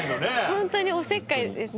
ホントにおせっかいです。